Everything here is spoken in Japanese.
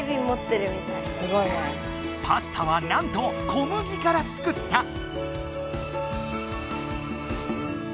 パスタはなんと小麦から作った。